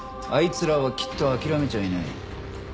あいつらはきっと諦めちゃいない。